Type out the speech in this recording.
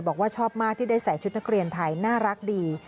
บอกว่าชอบมากที่ได้ใส่ชุดนักเรียนไทยน่ารักดี